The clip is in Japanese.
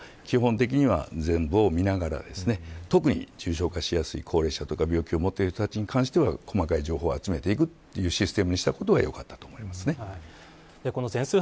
ですから基本的には全部を見ながら特に重症化しやすい高齢者とか病気を持ってる人に関しては細かい情報を集めていくシステムにしたことがよかったと思います。